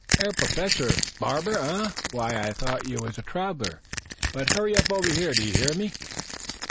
"Hair professor? Barber, eh? Why, I thought you was a traveler. But hurry up over here do you hear me?"